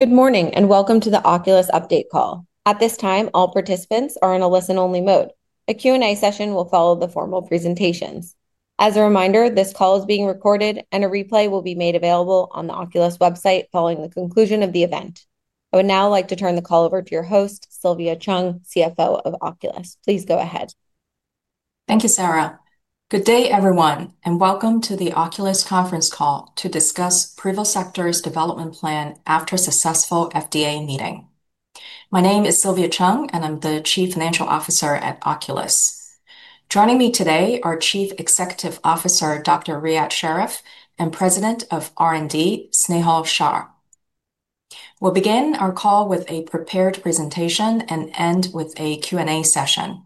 Good morning and welcome to the Oculis Update Call. At this time, all participants are in a listen-only mode. A Q&A session will follow the formal presentations. As a reminder, this call is being recorded, and a replay will be made available on the Oculis website following the conclusion of the event. I would now like to turn the call over to your host, Sylvia Cheung, CFO of Oculis. Please go ahead. Thank you, Sarah. Good day, everyone, and welcome Oculis conference call to discuss Privosegtor's development plan after a successful FDA meeting. My name is Sylvia Cheung, and I'm the Chief Financial Officer at Oculis. Joining me today are Chief Executive Officer Dr. Riad Sherif and President of R&D, Snehal Shah. We'll begin our call with a prepared presentation and end with a Q&A session.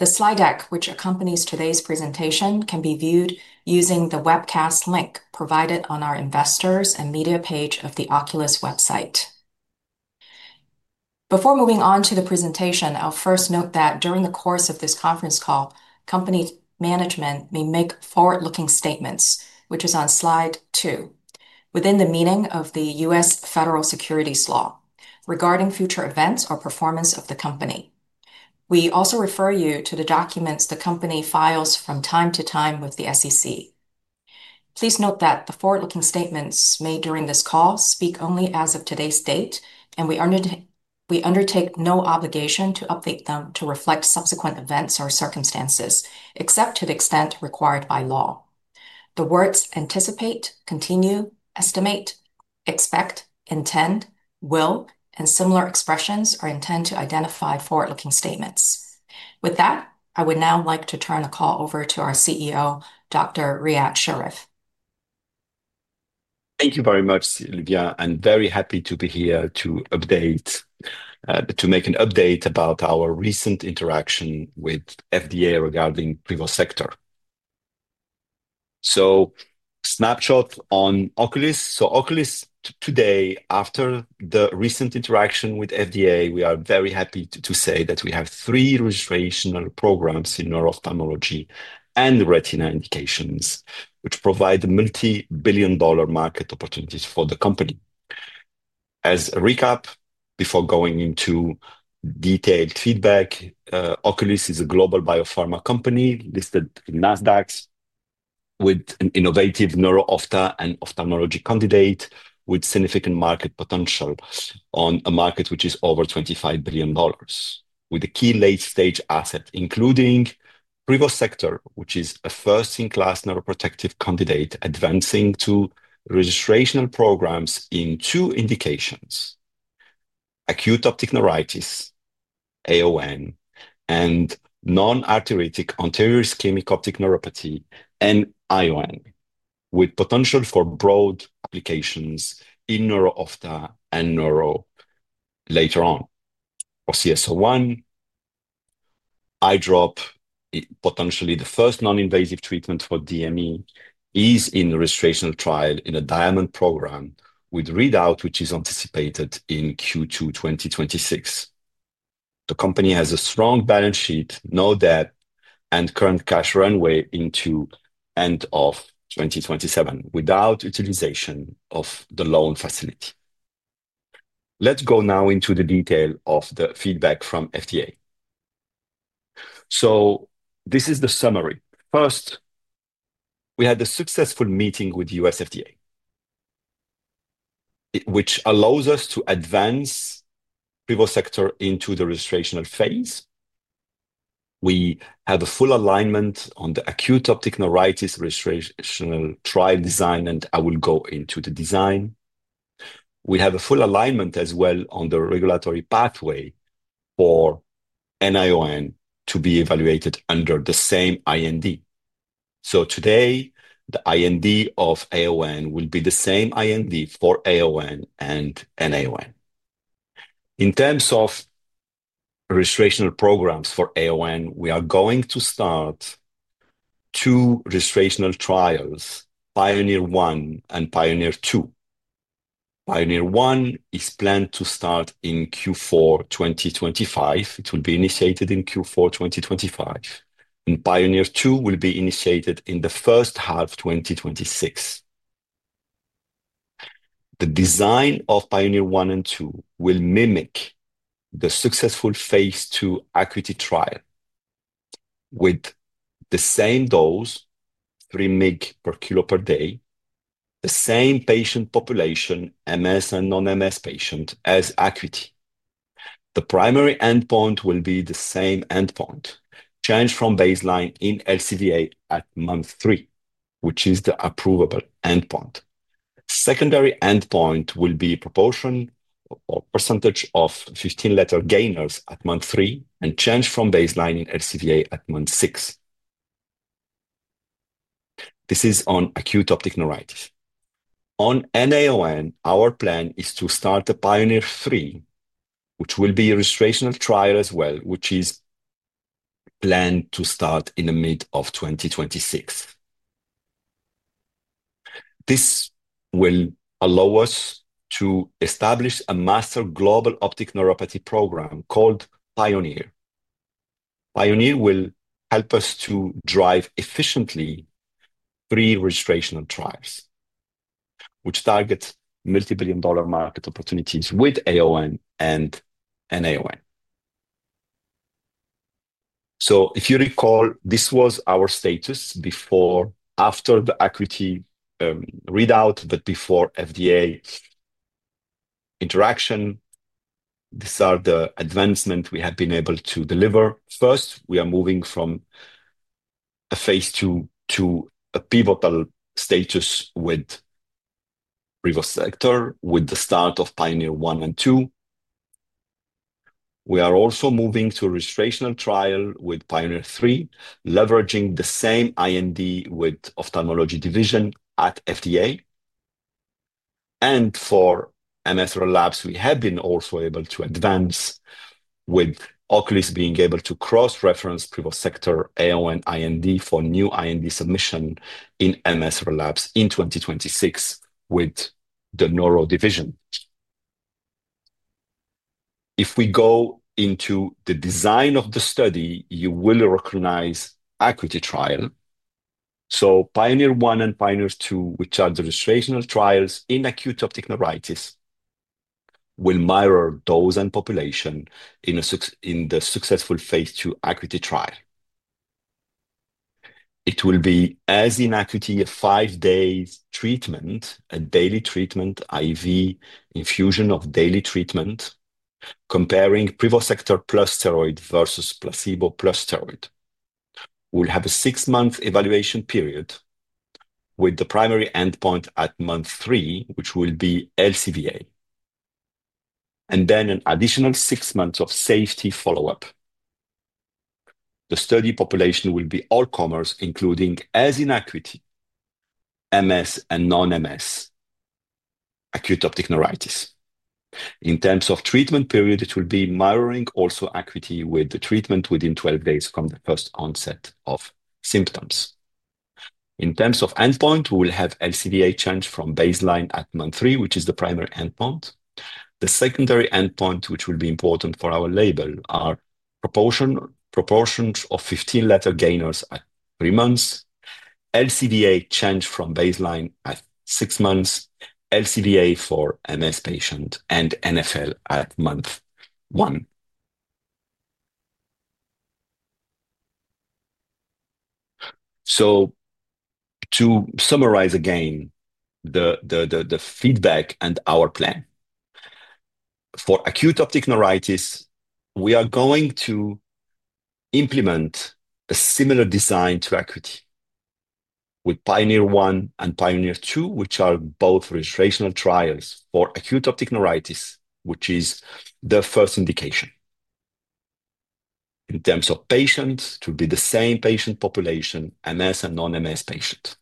The slide deck, which accompanies today's presentation, can be viewed using the webcast link provided on our Investors and Media page Oculis website. Before moving on to the presentation, I'll first note that during the course of this conference call, company management may make forward-looking statements, which is on slide two, within the meaning of the U.S. Federal Securities Law regarding future events or performance of the company. We also refer you to the documents the company files from time to time with the SEC. Please note that the forward-looking statements made during this call speak only as of today's date, and we undertake no obligation to update them to reflect subsequent events or circumstances, except to the extent required by law. The words "anticipate," "continue," "estimate," "expect," "intend," "will," and similar expressions are intended to identify forward-looking statements. With that, I would now like to turn the call over to our CEO, Dr. Riad Sherif. Thank you very much, Sylvia. I'm very happy to be here to make an update about our recent interaction with FDA regarding Privosegtor. A snapshot on Oculis. Oculis today, after the recent interaction with FDA, we are very happy to say that we have three registration programs in neuro-ophthalmology and retina indications, which provide multi-billion dollar market opportunities for the company. As a recap, before going into detailed feedback, Oculis is a global biopharma company listed in NASDAQ with an innovative neuro-ophtha and ophthalmology candidate with significant market potential on a market which is over $25 billion, with a key late-stage asset, including Privosegtor, which is a first-in-class neuroprotective candidate advancing to registration programs in two indications: Acute Optic Neuritis, AON, and Non-arteritic Anterior Ischemic Optic Neuropathy, NAION, with potential for broad applications in neuro-ophthalmology and neuro later on. For OCS-01, eye drop, potentially the first non-invasive treatment for DME, is in a registration trial in a Diamond program with readout, which is anticipated in Q2 2026. The company has a strong balance sheet, no debt, and current cash runway into end of 2027 without utilization of the loan facility. Let's go now into the detail of the feedback from FDA. This is the summary. First, we had a successful meeting with the U.S. FDA, which allows us to advance Privosegtor into the registration phase. We have a full alignment on the acute optic neuritis registration trial design, and I will go into the design. We have a full alignment as well on the regulatory pathway for NAION to be evaluated under the same IND. Today, the IND of AON will be the same IND for AON and NAION. In terms of registration programs for AON, we are going to start two registration trials: PIONEER-1 and PIONEER-2. PIONEER-1 is planned to start in Q4 2025. It will be initiated in Q4 2025, and PIONEER-2 will be initiated in the first half of 2026. The design of PIONEER-1 and -2 will mimic the successful phase II ACUITY trial with the same dose, 3mg/kg/day, the same patient population, MS and non-MS patient as ACUITY. The primary endpoint will be the same endpoint, change from baseline in LCVA at month three, which is the approvable endpoint. Secondary endpoint will be a proportion or percentage of 15 letter gainers at month three and change from baseline in LCVA at month six. This is on acute optic neuritis. On NAION, our plan is to start the PIONEER-3, which will be a registration trial as well, which is planned to start in the mid of 2026. This will allow us to establish a master global optic neuropathy program called PIONEER. PIONEER will help us to drive efficiently pre-registration trials, which target multi-billion dollar market opportunities with AON and NAION. If you recall, this was our status before after the ACUITY readout, but before FDA interaction, these are the advancements we have been able to deliver. First, we are moving from a phase II to a pivotal status with Privosegtor with the start of PIONEER-1 and -2. We are also moving to a registration trial with PIONEER-3, leveraging the same IND with ophthalmology division at FDA. For MS Relapse, we have been also able to advance with Oculis being able to cross-reference Privosegtor AON IND for new IND submission in MS Relapse in 2026 with the neuro division. If we go into the design of the study, you will recognize ACUITY trial. PIONEER-1 and PIONEER-2, which are the registration trials in acute optic neuritis, will mirror those and population in the successful phase II ACUITY trial. It will be as in ACUITY a five-day treatment, a daily treatment, IV infusion of daily treatment, comparing Privosegtor plus steroid versus placebo plus steroid. We'll have a six-month evaluation period with the primary endpoint at month three, which will be LCVA, and then an additional six months of safety follow-up. The study population will be all comers, including as in ACUITY, MS and non-MS acute optic neuritis. In terms of treatment period, it will be mirroring also ACUITY with the treatment within 12 days from the first onset of symptoms. In terms of endpoint, we'll have LCVA change from baseline at month three, which is the primary endpoint. The secondary endpoint, which will be important for our label, are proportions of 15-letter gainers at three months, LCVA change from baseline at six months, LCVA for MS patient, and NFL at month one. To summarize again the feedback and our plan for acute optic neuritis, we are going to implement a similar design to ACUITY with PIONEER-1 and PIONEER-2, which are both registration trials for acute optic neuritis, which is the first indication. In terms of patients, it will be the same patient population, MS and non-MS patient.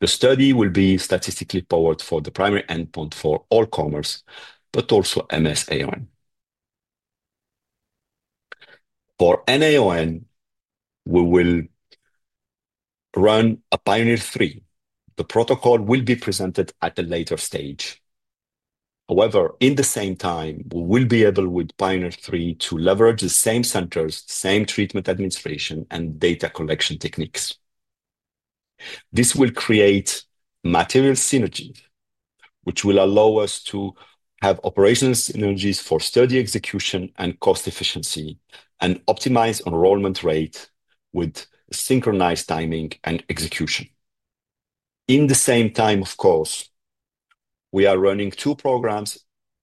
The study will be statistically powered for the primary endpoint for all comers, but also MS AON. For NAION, we will run a PIONEER-3. The protocol will be presented at a later stage. However, in the same time, we will be able with PIONEER-3 to leverage the same centers, same treatment administration, and data collection techniques. This will create material synergies, which will allow us to have operational synergies for study execution and cost efficiency and optimize enrollment rate with synchronized timing and execution. In the same time, of course, we are running two programs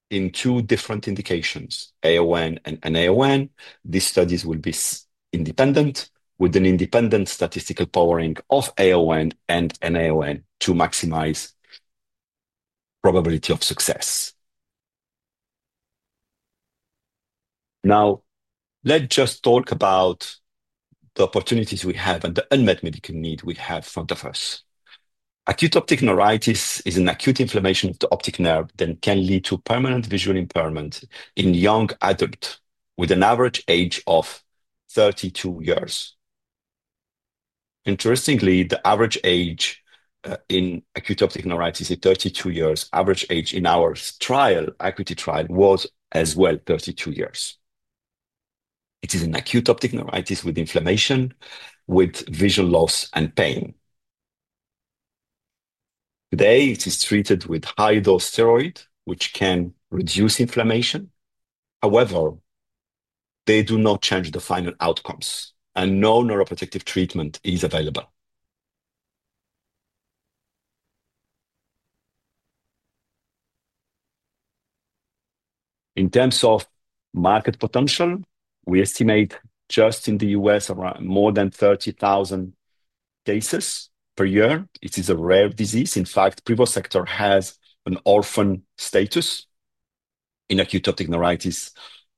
in two different indications, AON and NAION. These studies will be independent with an independent statistical powering of AON and NAION to maximize the probability of success. Now, let's just talk about the opportunities we have and the unmet medical need we have for these. Acute optic neuritis is an acute inflammation of the optic nerve that can lead to permanent visual impairment in young adults with an average age of 32 years. Interestingly, the average age in acute optic neuritis is 32 years. Average age in our trial, ACUITY trial, was as well 32 years. It is an acute optic neuritis with inflammation, with visual loss, and pain. Today, it is treated with high-dose steroids, which can reduce inflammation. However, they do not change the final outcomes, and no neuroprotective treatment is available. In terms of market potential, we estimate just in the U.S. more than 30,000 cases per year. It is a rare disease. In fact, Privosegtor has an orphan status. In acute optic neuritis,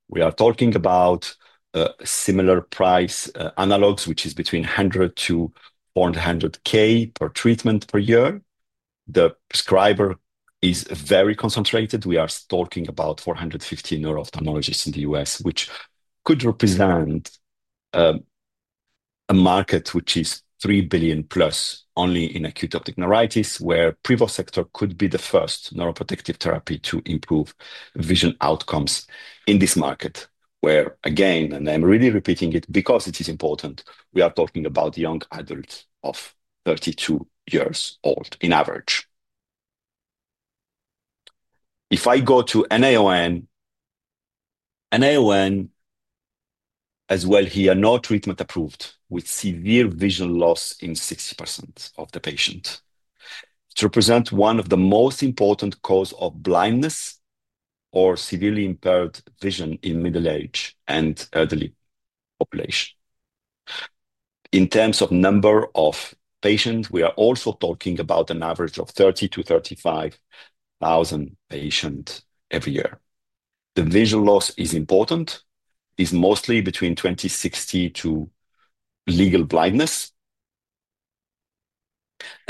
we are talking about a similar price analog, which is between $100,000 to $400,000 per treatment per year. The prescriber is very concentrated. We are talking about 450 neuro-ophthalmologists in the U.S., which could represent a market which is $3 billion plus only in acute optic neuritis, where Privosegtor could be the first neuroprotective therapy to improve vision outcomes in this market. Where, again, and I'm really repeating it because it is important, we are talking about young adults of 32 years old in average. If I go to NAION, NAION as well here, no treatment approved, with severe vision loss in 60% of the patients. It represents one of the most important causes of blindness or severely impaired vision in middle-aged and elderly populations. In terms of number of patients, we are also talking about an average of 30,000-35,000 patients every year. The vision loss is important. It is mostly between 20/60 to legal blindness.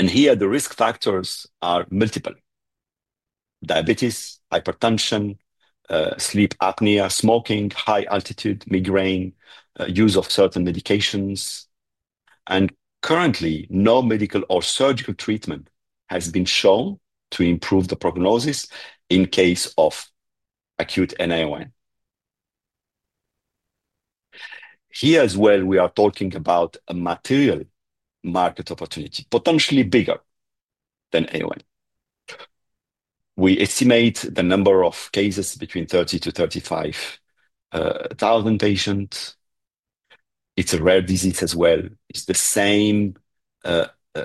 Here, the risk factors are multiple: diabetes, hypertension, sleep apnea, smoking, high altitude, migraine, use of certain medications, and currently, no medical or surgical treatment has been shown to improve the prognosis in case of acute NAION. Here as well, we are talking about a material market opportunity, potentially bigger than AON. We estimate the number of cases between 30,000-35,000 patients. It's a rare disease as well. It's the same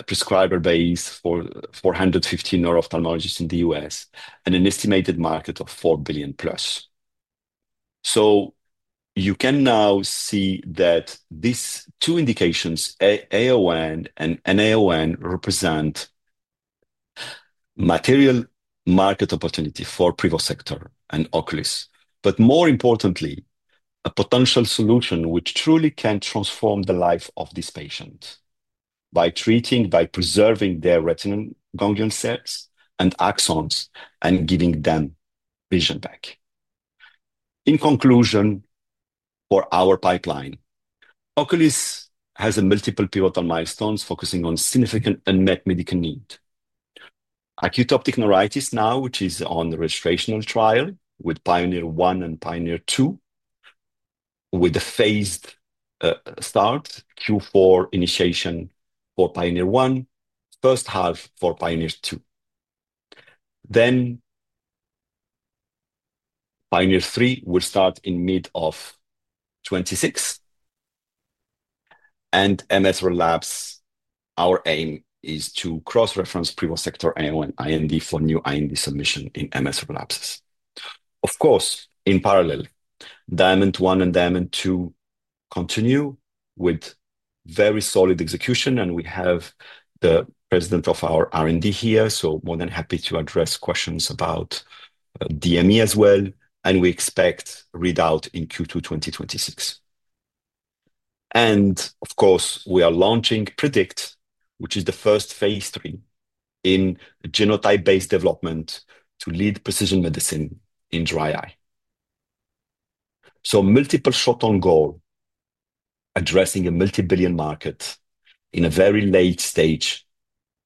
prescriber base for 415 neuro-ophthalmologists in the U.S. and an estimated market of $4 billion plus. You can now see that these two indications, AON and NAION, represent material market opportunity for Privosegtor and Oculis. More importantly, a potential solution which truly can transform the life of this patient by treating, by preserving their retinal ganglion cells and axons and giving them vision back. In conclusion, for our pipeline, Oculis has multiple pivotal milestones focusing on significant unmet medical needs. Acute optic neuritis now, which is on the registration trial with PIONEER-1 and PIONEER-2, with a phased start, Q4 initiation for PIONEER-1, first half for PIONEER-2. PIONEER-3 will start in mid of 2026. In MS relapse, our aim is to cross-reference Privosegtor AON IND for new IND submission in MS relapses. Of course, in parallel, DIAMOND-1 and DIAMOND-2 continue with very solid execution, and we have the President of our R&D here, so more than happy to address questions about DME as well. We expect readout in Q2 2026. We are launching Predict, which is the first phase III in genotype-based development to lead precision medicine in dry eye. Multiple shots on goal, addressing a multi-billion market in a very late stage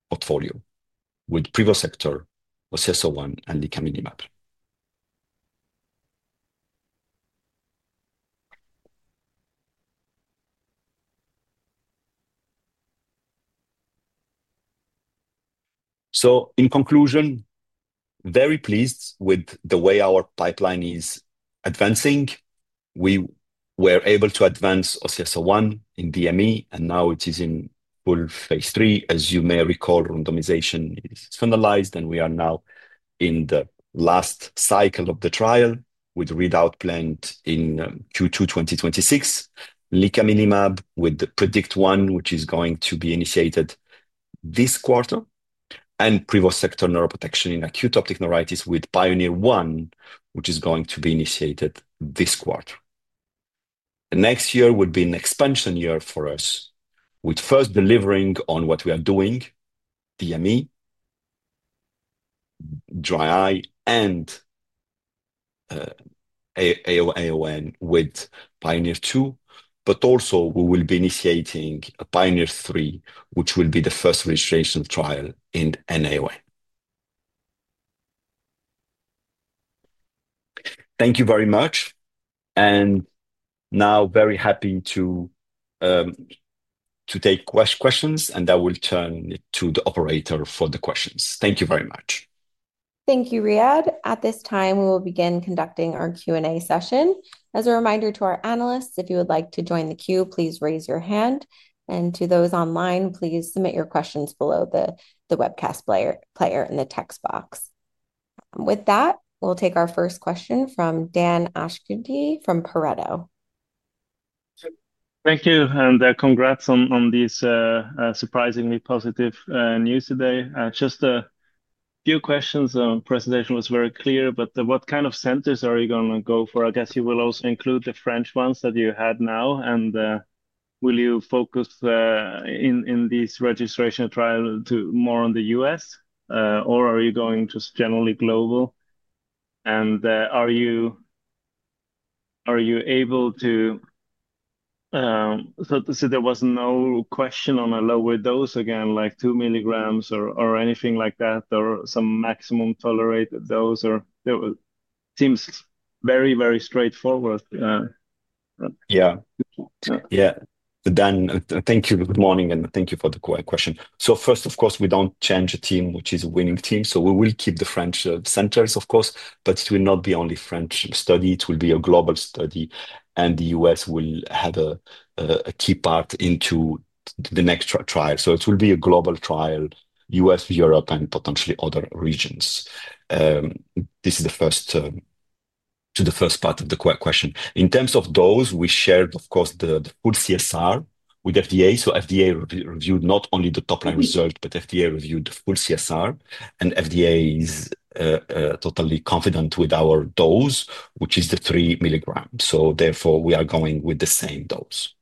portfolio with Privosegtor, OCS-01 and Licaminlimab. In conclusion, very pleased with the way our pipeline is advancing. We were able to advance OCS-01 in DME, and now it is in full phase III. As you may recall, randomization is finalized, and we are now in the last cycle of the trial with readout planned in Q2 2026. Licaminlimab with the Predict 1, which is going to be initiated this quarter, and Privosegtor neuroprotection in acute optic neuritis with PIONEER-1, which is going to be initiated this quarter. Next year would be an expansion year for us, with first delivering on what we are doing: DME, dry eye, and AON with PIONEER-2. We will be initiating a PIONEER-3, which will be the first registration trial in NAION. Thank you very much. I am very happy to take questions, and I will turn it to the operator for the questions. Thank you very much. Thank you, Riad. At this time, we will begin conducting our Q&A session. As a reminder to our analysts, if you would like to join the queue, please raise your hand. To those online, please submit your questions below the webcast player in the text box. With that, we'll take our first question from Dan Akschuti from Pareto. Thank you, and congrats on this surprisingly positive news today. Just a few questions. The presentation was very clear, but what kind of centers are you going to go for? I guess you will also include the French ones that you had now. Will you focus in these registration trials more on the U.S., or are you going just generally global? Are you able to... There was no question on a lower dose again, like 2 milligrams or anything like that, or some maximum tolerated dose? It seems very, very straightforward. Yeah. Yeah. Dan, thank you. Good morning, and thank you for the question. First, of course, we don't change a team, which is a winning team. We will keep the French centers, of course, but it will not be only a French study. It will be a global study, and the U.S. will have a key part in the next trial. It will be a global trial, U.S., Europe, and potentially other regions. This is the first part of the question. In terms of dose, we shared, of course, the full CSR with the FDA. The FDA reviewed not only the top-line result, but the FDA reviewed the full CSR, and the FDA is totally confident with our dose, which is the 3 milligrams. Therefore, we are going with the same dose.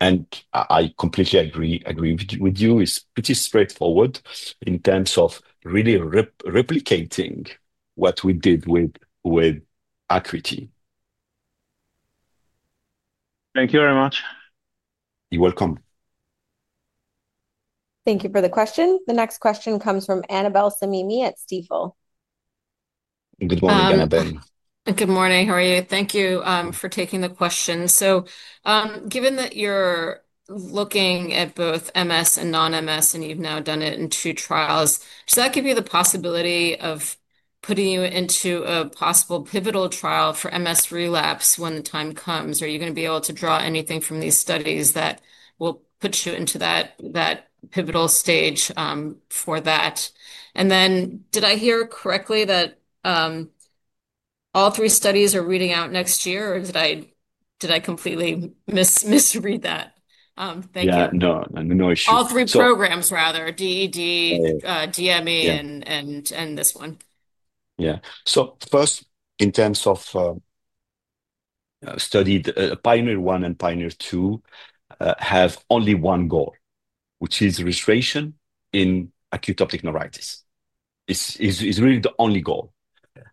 I completely agree with you. It's pretty straightforward in terms of really replicating what we did with ACUITY. Thank you very much. You're welcome. Thank you for the question. The next question comes from Annabel Samimy at Stifel. Good morning, Annabel. Good morning. How are you? Thank you for taking the question. Given that you're looking at both MS and non-MS, and you've now done it in two trials, does that give you the possibility of putting you into a possible pivotal trial for MS relapse when athe time comes? Are you going to be able to draw anything from these studies that will put you into that pivotal stage for that? Did I hear correctly that all three studies are reading out next year, or did I completely misread that? Thank you. No, no, no. All three programs, rather, DED, DME, and this one. Yeah. First, in terms of studies, PIONEER-1 and PIONEER-2 have only one goal, which is registration in acute optic neuritis. It's really the only goal.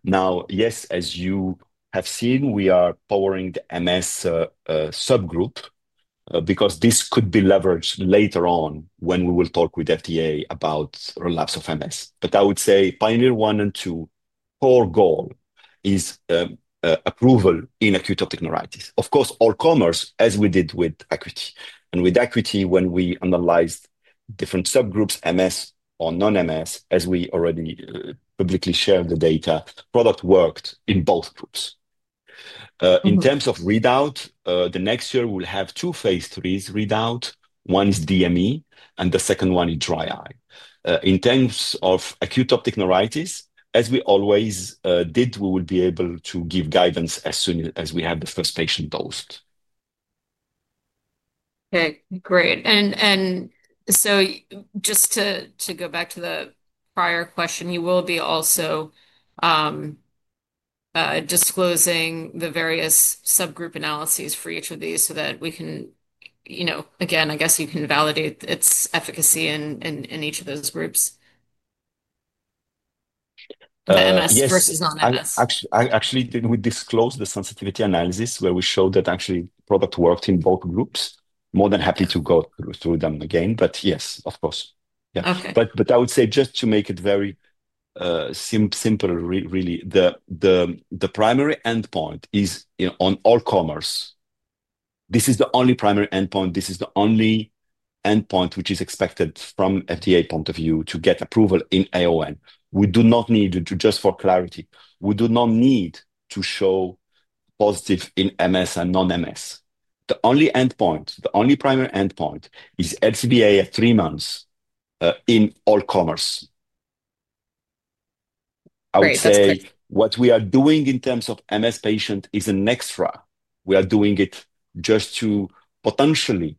Now, yes, as you have seen, we are powering the MS subgroup because this could be leveraged later on when we will talk with the FDA about relapse of MS. I would say PIONEER-1 and 2, core goal is approval in acute optic neuritis. Of course, all comers, as we did with ACUITY. With ACUITY, when we analyzed different subgroups, MS or non-MS, as we already publicly shared the data, product worked in both groups. In terms of readout, next year, we'll have two phase III readouts. One is DME, and the second one is dry eye. In terms of acute optic neuritis, as we always did, we will be able to give guidance as soon as we have the first patient dosed. Okay, great. Just to go back to the prior question, you will be also disclosing the various subgroup analyses for each of these so that we can, you know, again, I guess you can validate its efficacy in each of those groups, MS versus non-MS. Didn't we disclose the sensitivity analysis where we showed that actually the product worked in both groups? More than happy to go through them again. Yes, of course. I would say, just to make it very simple, really, the primary endpoint is on all comers. This is the only primary endpoint. This is the only endpoint which is expected from the FDA point of view to get approval in AON. We do not need to, just for clarity, we do not need to show positive in MS and non-MS. The only endpoint, the only primary endpoint is LCVA at three months in all comers. I would say what we are doing in terms of MS patients is an extra. We are doing it just to potentially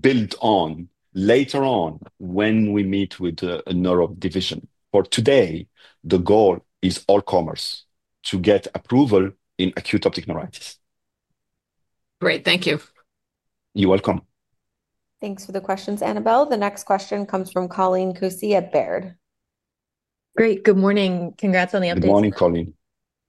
build on later on when we meet with the neuro division. For today, the goal is all comers to get approval in acute optic neuritis. Great. Thank you. You're welcome. Thanks for the questions, Annabelle. The next question comes from Colleen Kusy at Baird. Great. Good morning. Congrats on the update. Good morning, Colleen.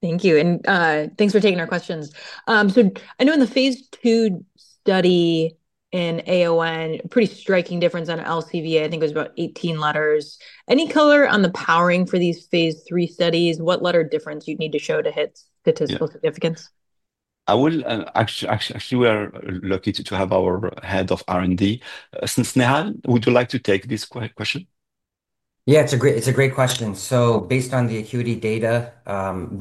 Thank you. Thanks for taking our questions. I know in the phase II study in AON, a pretty striking difference on LCVA. I think it was about 18 letters. Any color on the powering for these phase III studies? What letter difference do you need to show to hit statistical significance? I will. Actually, we are lucky to have our Head of R&D. Snehal, would you like to take this question? Yeah, it's a great question. Based on the ACUITY data,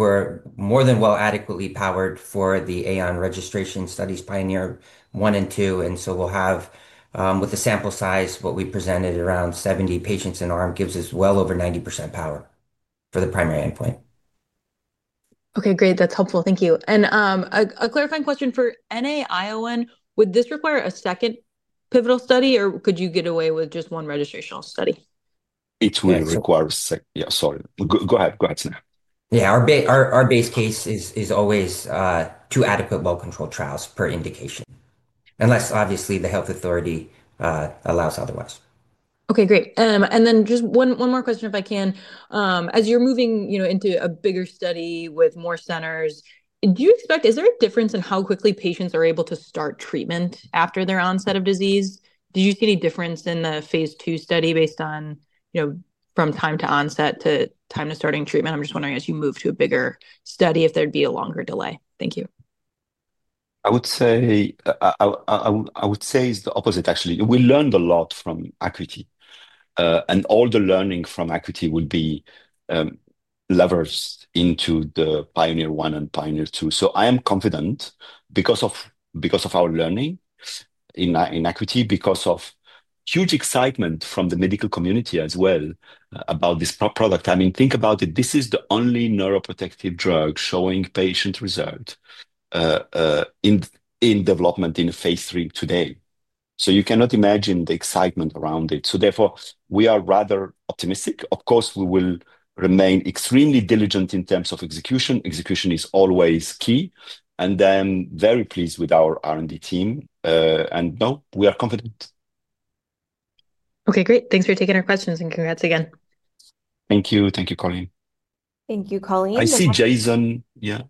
we're more than well adequately powered for the AON registration studies, PIONEER-1 and 2. We'll have, with the sample size, what we presented around 70 patients an arm, which gives us well over 90% power for the primary endpoint. Okay, great. That's helpful. Thank you. A clarifying question for NAION. Would this require a second pivotal study, or could you get away with just one registrational study? It will require a second. Sorry. Go ahead, Snehal. Yeah, our base case is always two adequate well-controlled trials per indication, unless obviously the health authority allows otherwise. Okay, great. Just one more question if I can. As you're moving into a bigger study with more centers, do you expect, is there a difference in how quickly patients are able to start treatment after their onset of disease? Did you see any difference in the phase II study based on, you know, from time to onset to time to starting treatment? I'm just wondering, as you move to a bigger study, if there'd be a longer delay. Thank you. I would say it's the opposite, actually. We learned a lot from ACUITY, and all the learning from ACUITY will be leveraged into the PIONEER-1 and PIONEER-2. I am confident because of our learning in ACUITY, because of huge excitement from the medical community as well about this product. I mean, think about it. This is the only neuroprotective drug showing patient result in development in phase III today. You cannot imagine the excitement around it. Therefore, we are rather optimistic. Of course, we will remain extremely diligent in terms of execution. Execution is always key. I'm very pleased with our R&D team. No, we are confident. Okay, great. Thanks for taking our questions, and congrats again. Thank you. Thank you, Colleen. Thank you, Colleen. I see Jason. Yeah.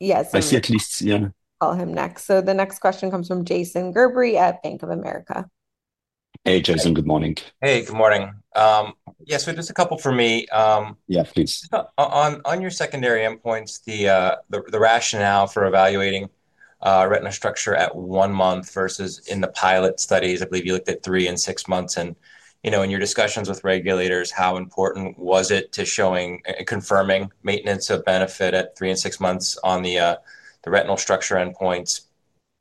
Yes. I see at least, yeah. The next question comes from Jason Gerberry at Bank of America. Hey, Jason. Good morning. Hey, good morning. Yes, we have just a couple for me. Yeah, please. On your secondary endpoints, the rationale for evaluating retinal structure at one month versus in the pilot studies, I believe you looked at three and six months. In your discussions with regulators, how important was it to showing and confirming maintenance of benefit at three and six months on the retinal structure endpoints?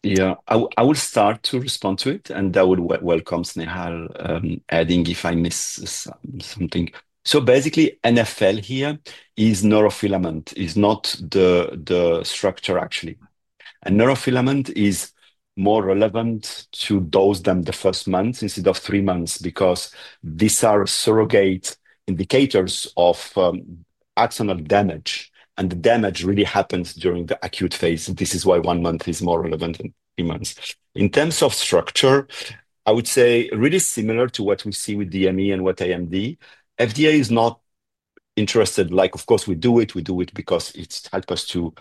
Yeah, I will start to respond to it, and would welcome Snehal adding if I missed something. Basically, NFL here is neurofilament. It's not the structure, actually. Neurofilament is more relevant to dose than the first month instead of three months because these are surrogate indicators of axonal damage, and the damage really happens during the acute phase. This is why one month is more relevant than three months. In terms of structure, I would say really similar to what we see with DME and what IMD. FDA is not interested. Of course, we do it. We do it because it helps us to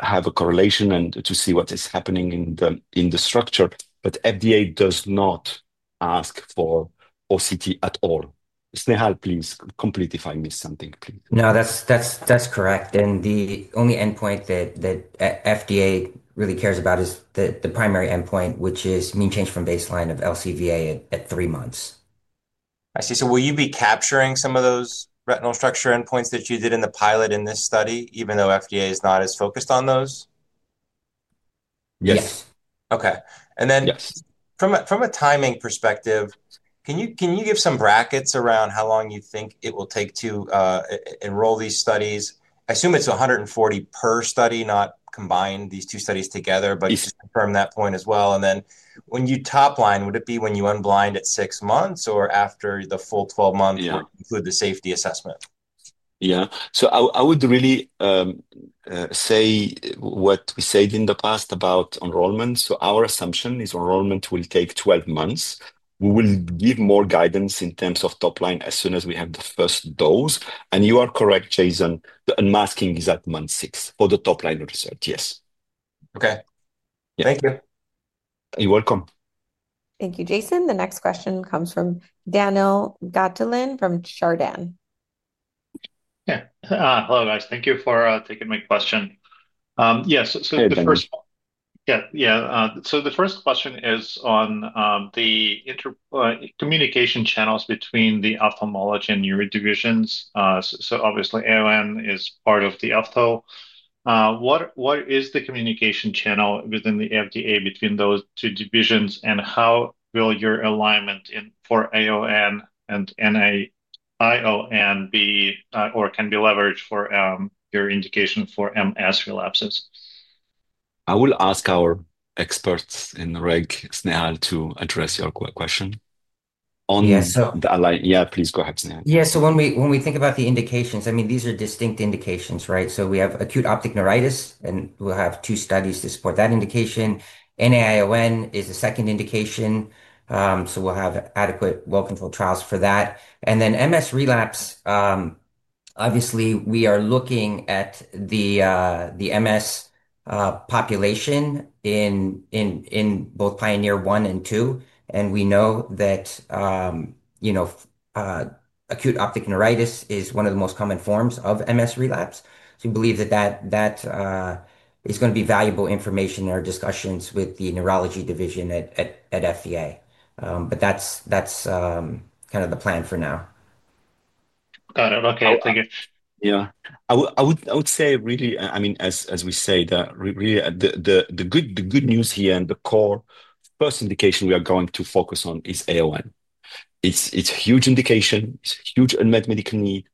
have a correlation and to see what is happening in the structure. FDA does not ask for OCT at all. Snehal, please complete if I missed something. No, that's correct. The only endpoint that FDA really cares about is the primary endpoint, which is maintained from baseline of LCVA at three months. I see. Will you be capturing some of those retinal structure endpoints that you did in the pilot in this study, even though the FDA is not as focused on those? Yes. Okay. From a timing perspective, can you give some brackets around how long you think it will take to enroll these studies? I assume it's 140 per study, not combine these two studies together, but just confirm that point as well. When you top line, would it be when you unblind at six months or after the full 12 months with the safety assessment? Yeah. I would really say what we said in the past about enrollment. Our assumption is enrollment will take 12 months. We will give more guidance in terms of top line as soon as we have the first dose. You are correct, Jason. The unmasking is at month six for the top line result, yes. Okay, thank you. You're welcome. Thank you, Jason. The next question comes from Daniil Gataulin from Chardan. Hello, guys. Thank you for taking my question. The first question is on the communication channels between the ophthalmology and neuro divisions. Obviously, acute optic neuritis is part of ophthalmology. What is the communication channel within the FDA between those two divisions, and how will your alignment for AON and NAION be or can be leveraged for your indication for MS relapses? I will ask our experts in the [reg], Snehal, to address your question. Yeah, please go ahead, Snehal. Yeah, so when we think about the indications, I mean, these are distinct indications, right? We have acute optic neuritis, and we'll have two studies to support that indication. NAION is a second indication, so we'll have adequate well-controlled trials for that. MS relapse, obviously, we are looking at the MS population in both PIONEER-1 and 2, and we know that acute optic neuritis is one of the most common forms of MS relapse. We believe that that is going to be valuable information in our discussions with the neurology division at the FDA. That's kind of the plan for now. Got it. Okay, thank you. Yeah. I would say really, I mean, as we say, the good news here and the core first indication we are going to focus on is AON. It's a huge indication, huge unmet medical need.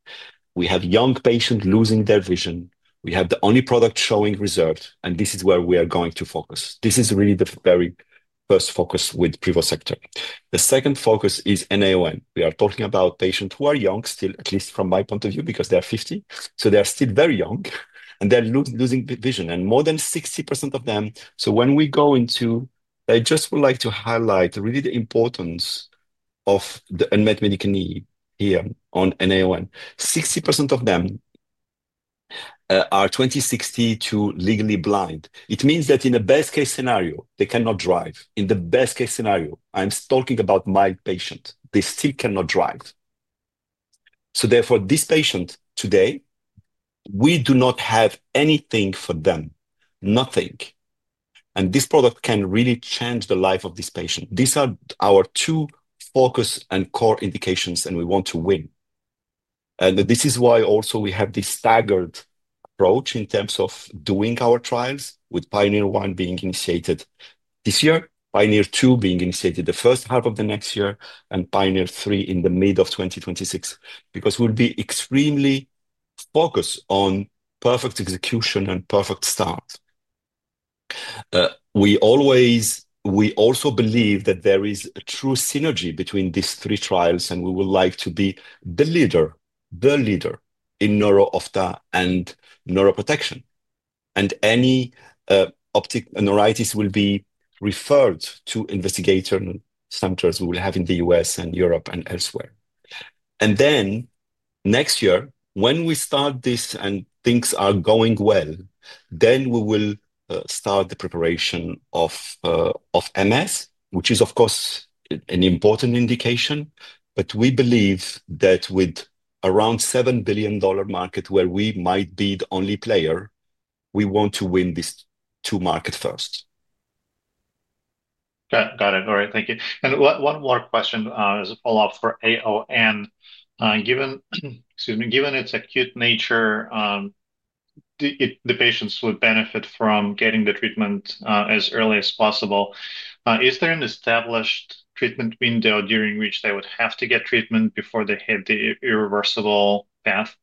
We have young patients losing their vision. We have the only product showing result, and this is where we are going to focus. This is really the very first focus with Privosegtor. The second focus is NAION. We are talking about patients who are young, still, at least from my point of view, because they are 50. They are still very young, and they're losing vision. More than 60% of them, so when we go into, I just would like to highlight really the importance of the unmet medical need here on NAION. 60% of them are 20/60 to legally blind. It means that in a best-case scenario, they cannot drive. In the best-case scenario, I'm talking about my patient. They still cannot drive. Therefore, this patient today, we do not have anything for them, nothing. This product can really change the life of this patient. These are our two focus and core indications, and we want to win. This is why also we have this staggered approach in terms of doing our trials with PIONEER-1 being initiated this year, PIONEER-2 being initiated the first half of the next year, and PIONEER-3 in the mid of 2026, because we'll be extremely focused on perfect execution and perfect start. We also believe that there is a true synergy between these three trials, and we would like to be the leader, the leader in neuro-ophthalmology and neuroprotection. Any optic neuritis will be referred to investigator centers we will have in the U.S. and Europe and elsewhere. Next year, when we start this and things are going well, we will start the preparation of MS, which is, of course, an important indication. We believe that with around $7 billion market where we might be the only player, we want to win these two markets first. Got it. All right. Thank you. One more question is a follow-up for AON. Given its acute nature, the patients would benefit from getting the treatment as early as possible. Is there an established treatment window during which they would have to get treatment before they had the irreversible death?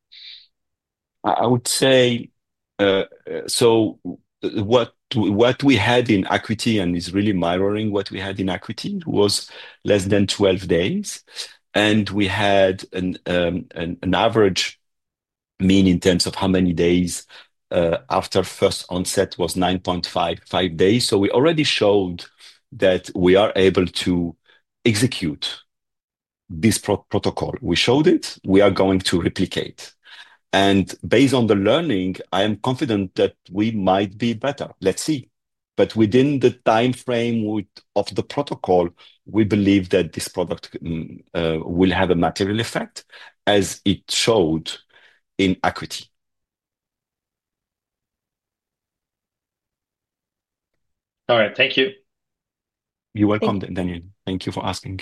I would say, what we had in ACUITY and is really mirroring what we had in ACUITY was less than 12 days. We had an average mean in terms of how many days after first onset was 9.5 days. We already showed that we are able to execute this protocol. We showed it. We are going to replicate, and based on the learning, I am confident that we might be better. Let's see. Within the timeframe of the protocol, we believe that this product will have a material effect as it showed in ACUITY. All right. Thank you. You're welcome, Daniel. Thank you for asking.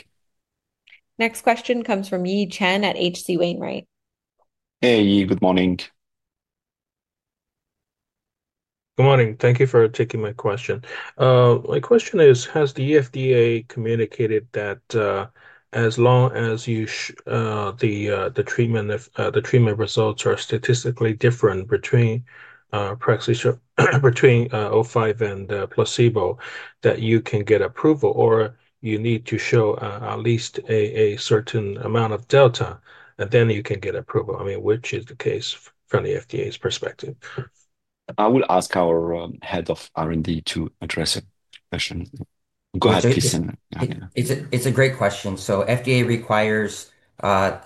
Next question comes from Yi Chen at H.C. Wainwright. Hey, Yi. Good morning. Good morning. Thank you for taking my question. My question is, has the FDA communicated that as long as the treatment results are statistically different between OCS-05 and placebo, that you can get approval, or you need to show at least a certain amount of delta, and then you can get approval? I mean, which is the case from the FDA's perspective? I would ask our Head of R&D to address it. Go ahead, Jason. Yeah. It's a great question. FDA requires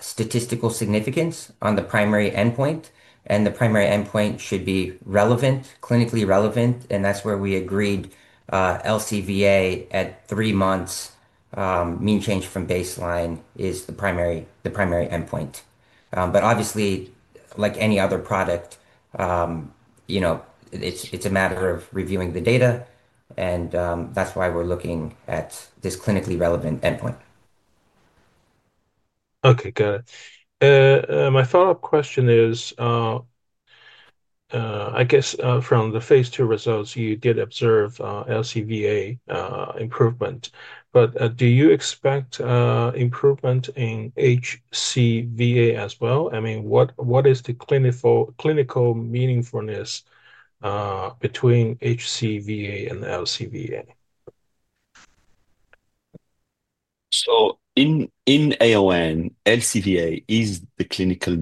statistical significance on the primary endpoint, and the primary endpoint should be relevant, clinically relevant. That's where we agreed LCVA at three months, mean change from baseline is the primary endpoint. Obviously, like any other product, you know, it's a matter of reviewing the data, and that's why we're looking at this clinically relevant endpoint. Okay, got it. My follow-up question is, I guess from the phase II results, you did observe LCVA improvement. Do you expect improvement in HCVA as well? I mean, what is the clinical meaningfulness between HCVA and LCVA? In AON, LCVA is the clinical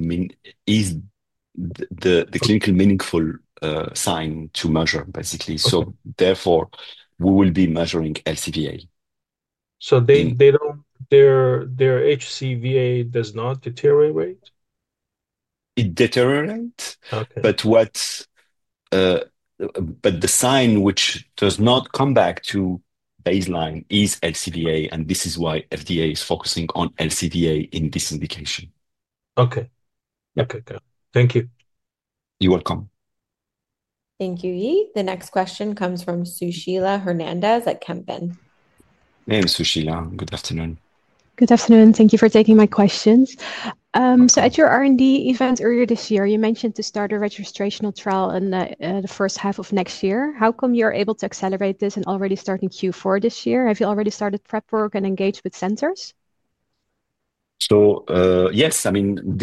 meaningful sign to measure, basically. Therefore, we will be measuring LCVA. Their HCVA does not deteriorate? It deteriorates. The sign which does not come back to baseline is LCVA, and this is why the FDA is focusing on LCVA in this indication. Okay. Okay, got it. Thank you. You're welcome. Thank you, Yi. The next question comes from Sushila Hernandez at Kempen. Hey Sushila. Good afternoon. Good afternoon. Thank you for taking my questions. At your R&D event earlier this year, you mentioned to start a registrational trial in the first half of next year. How come you're able to accelerate this and already start in Q4 this year? Have you already started prep work and engaged with centers? Yes, I mean,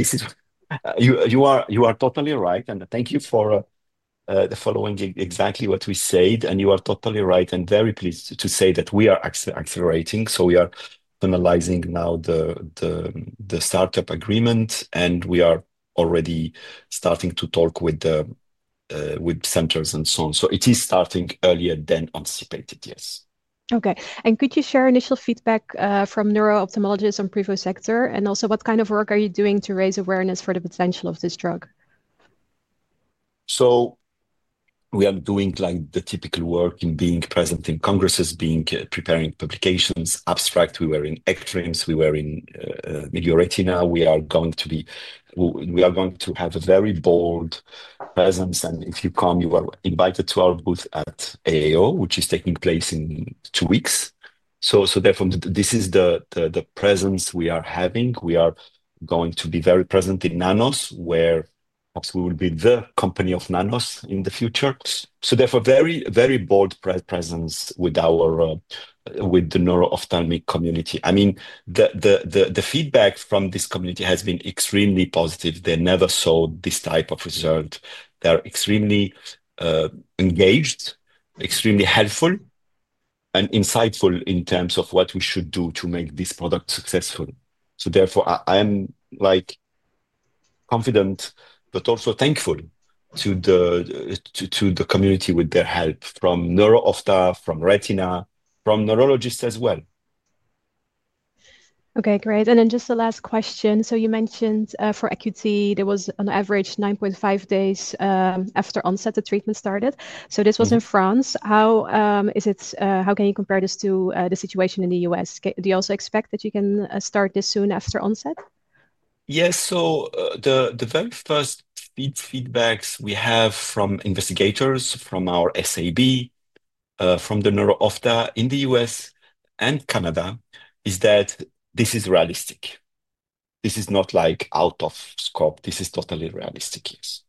you are totally right. Thank you for following exactly what we said. You are totally right and very pleased to say that we are accelerating. We are finalizing now the startup agreement, and we are already starting to talk with the centers and so on. It is starting earlier than anticipated, yes. Okay. Could you share initial feedback from neuro-ophthalmologists on Privosegtor? Also, what kind of work are you doing to raise awareness for the potential of this drug? We are doing the typical work in being present in congresses, preparing publications, abstracts. We were in X-rays. We were in Medioretina. We are going to have a very bold presence. If you come, you are invited to our booth at AAO, which is taking place in two weeks. Therefore, this is the presence we are having. We are going to be very present in NANOS, where we will be the company of NANOS in the future. Therefore, a very, very bold presence with our neuro-ophthalmic community. The feedback from this community has been extremely positive. They never saw this type of result. They're extremely engaged, extremely helpful, and insightful in terms of what we should do to make this product successful. Therefore, I am confident, but also thankful to the community with their help from neuro-ophthalmology, from retina, from neurologists as well. Okay, great. Just the last question. You mentioned for ACUITY, there was an average 9.5 days after onset of treatment started. This was in France. How can you compare this to the situation in the U.S.? Do you also expect that you can start this soon after onset? Yes. The very first feedbacks we have from investigators, from our SAB, from the neuro-ophthalmology in the U.S. and Canada, is that this is realistic. This is not out of scope. This is totally realistic, yes.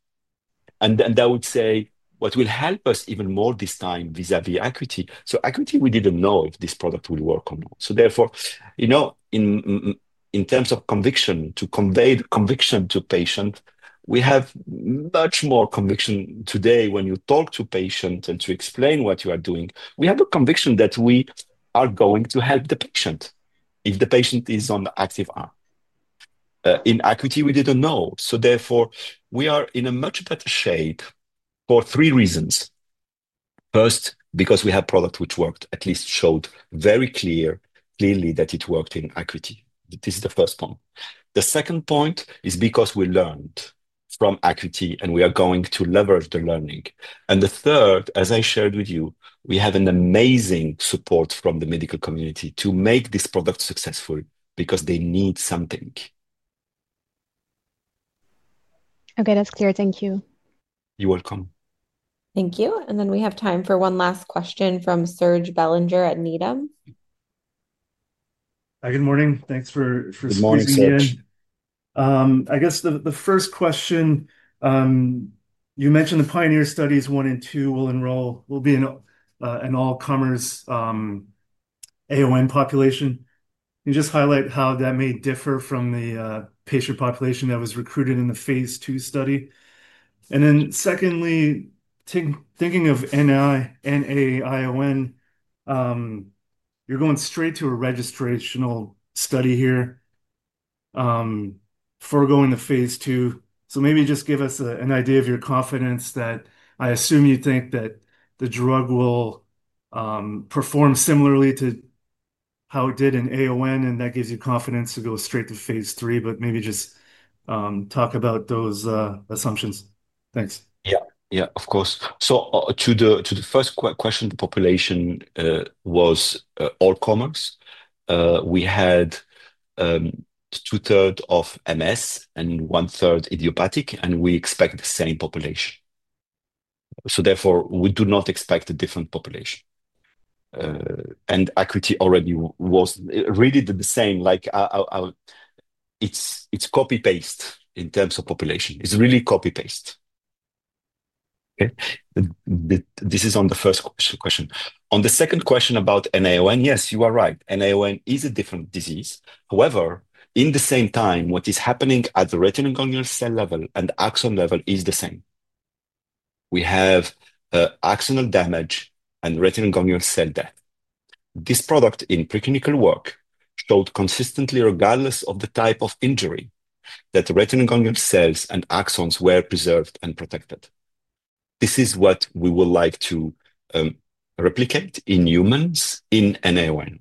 I would say what will help us even more this time vis-à-vis ACUITY, so ACUITY, we didn't know if this product will work on. Therefore, in terms of conviction, to convey conviction to patients, we have much more conviction today when you talk to patients and explain what you are doing. We have a conviction that we are going to help the patient if the patient is on active R. In ACUITY, we didn't know. Therefore, we are in a much better shape for three reasons. First, because we have a product which worked, at least showed very clearly that it worked in ACUITY. This is the first point. The second point is because we learned from ACUITY, and we are going to leverage the learning. The third, as I shared with you, we have amazing support from the medical community to make this product successful because they need something. Okay, that's clear. Thank you. You're welcome. Thank you. We have time for one last question from Serge Bélanger at Needham. Good morning. Thanks for speaking in. Good morning, Sushila. I guess the first question, you mentioned the PIONEER studies 1 and 2 will be in an all-comers AON population. Can you just highlight how that may differ from the patient population that was recruited in the phase II study? Secondly, thinking of NAION, you're going straight to a registrational study here, foregoing the phase II. Maybe just give us an idea of your confidence that I assume you think that the drug will perform similarly to how it did in AON, and that gives you confidence to go straight to phase III, but maybe just talk about those assumptions. Thanks. Yeah, yeah, of course. To the first question, the population was all comers. We had two-thirds of MS and one-third idiopathic, and we expect the same population. Therefore, we do not expect a different population. ACUITY already was really the same. It's copy-paste in terms of population. It's really copy-paste. This is on the first question. On the second question about NAION, yes, you are right. NAION is a different disease. However, at the same time, what is happening at the retinal ganglion cell level and axon level is the same. We have axonal damage and retinal ganglion cell death. This product in preclinical work showed consistently, regardless of the type of injury, that retinal ganglion cells and axons were preserved and protected. This is what we would like to replicate in humans in NAION.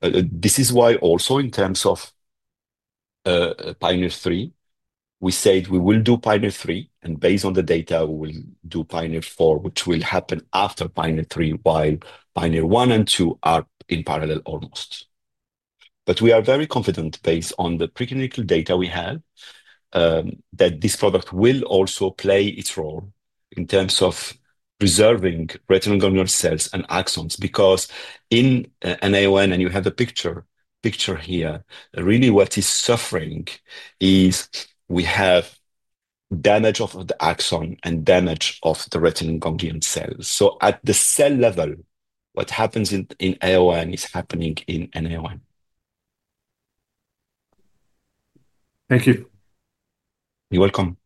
This is why also in terms of PIONEER-3, we said we will do PIONEER-3, and based on the data, we will do PIONEER-4, which will happen after PIONEER-3, while PIONEER-1 and -2 are in parallel almost. We are very confident based on the preclinical data we have that this product will also play its role in terms of preserving retinal ganglion cells and axons because in NAION, and you have a picture here, really what is suffering is we have damage of the axon and damage of the retinal ganglion cells. At the cell level, what happens in AON is happening in NAION. Thank you. You're welcome.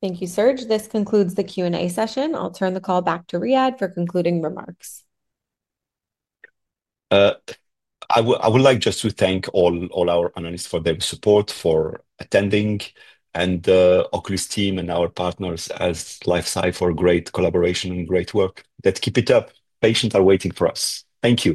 Thank you, Serge. This concludes the Q&A session. I'll turn the call back to Riad for concluding remarks. I would like just to thank all our analysts for their support, for attending, and the Oculis team and our partners at LifeSci for great collaboration and great work. Let's keep it up. Patients are waiting for us. Thank you.